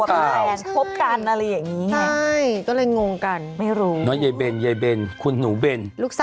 ก็เลยงงกันไม่รู้ยายเบนคุณหนูเบน